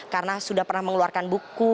karena sudah pernah mengeluarkan buku